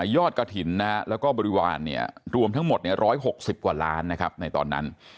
ยอดกฐินและบริวารรวมทั้งหมด๑๖๐กว่าล้านในตอนนั้น